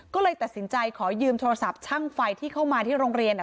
ก็เลยตัดสินใจขอยืมโทรศัพท์ช่างไฟที่เข้ามาที่โรงเรียน